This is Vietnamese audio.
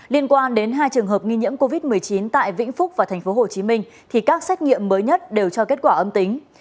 liên quan đến hai trường hợp nghi nhiễm covid một mươi chín tại vĩnh phúc và tp hcm thì các xét nghiệm mới nhất đều cho kết quả âm tính